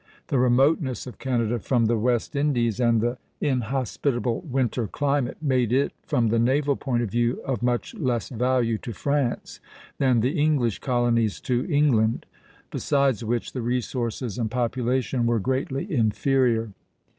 The remoteness of Canada from the West Indies, and the inhospitable winter climate, made it, from the naval point of view, of much less value to France than the English colonies to England; besides which the resources and population were greatly inferior.